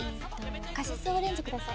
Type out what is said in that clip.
カシスオレンジ下さい。